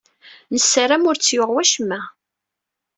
Nessaram ur t-yuɣ wacemma.